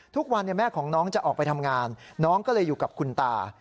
ทุกวันแม่ของน้องจะออกไปทำงานน้องก็เลยอยู่กับคุณตา